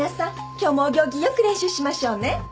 今日もお行儀良く練習しましょうね。